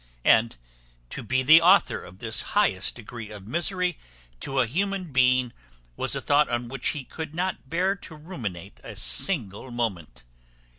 And to be the author of this highest degree of misery to a human being, was a thought on which he could not bear to ruminate a single moment.